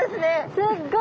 すっごい。